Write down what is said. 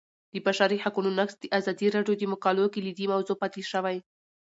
د بشري حقونو نقض د ازادي راډیو د مقالو کلیدي موضوع پاتې شوی.